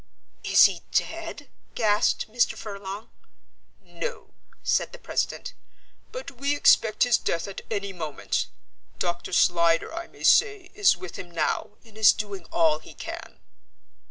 "Is he dead?" gasped Mr. Furlong. "No," said the president. "But we expect his death at any moment. Dr. Slyder, I may say, is with him now and is doing all he can."